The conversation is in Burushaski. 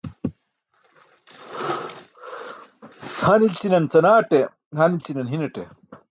Han i̇lćin canaṭe, han i̇lći̇n hi̇ṅate.